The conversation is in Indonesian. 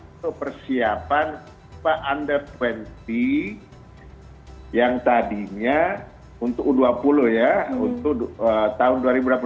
untuk persiapan under dua puluh yang tadinya untuk u dua puluh ya untuk tahun dua ribu dua puluh dua